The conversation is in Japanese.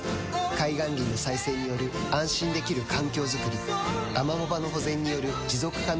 海岸林の再生による安心できる環境づくりアマモ場の保全による持続可能な海づくり